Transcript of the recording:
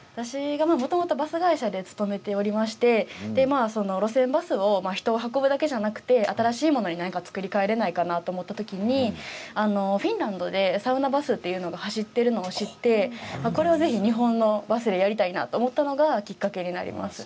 もともとバス会社に勤めていまして路線バスを人を運ぶだけではなくて新しいものに何か作り替えられないかなと思ったときにフィンランドでサウナバスというものが走っているのを知ってこれはぜひ日本のバスでやりたいなと思ったのがきっかけになります。